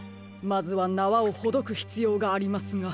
まずはなわをほどくひつようがありますが。